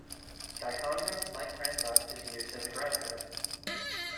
"Dichondra micrantha" is used as a groundcover.